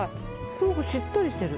すごくしっとりしてる。